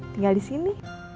tinggal di sini